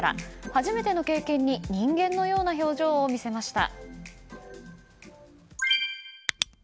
初めての経験に人間のような表情を見せました。